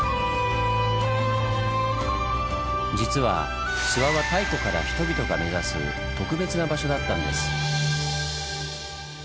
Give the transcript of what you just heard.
実は諏訪は太古から人々が目指す特別な場所だったんです。